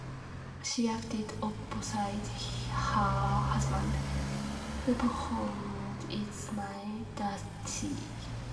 She acted opposite her husband, who performed its Mr. Darcy.